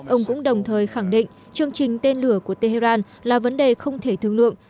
ông cũng đồng thời khẳng định chương trình tên lửa của tehran là vấn đề không thể thương lượng